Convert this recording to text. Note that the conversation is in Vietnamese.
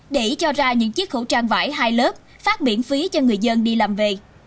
để cho ra những chiếc khẩu trang vải hai lớp phát miễn phí cho người dân đi làm về